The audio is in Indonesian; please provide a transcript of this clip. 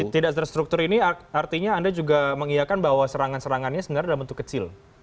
tidak terstruktur ini artinya anda juga mengiakan bahwa serangan serangannya sebenarnya dalam bentuk kecil